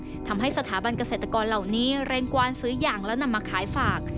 ภาพแม่ของสถาบันเกษตรกรเหล่านี้เรนกวาลซื้อยางและนำมาขายฝาก